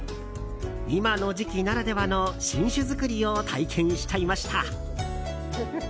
今の時期ならではの新酒造りを体験しちゃいました。